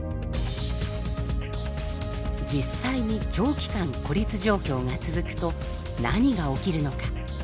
実際に長期間孤立状況が続くと何が起きるのか？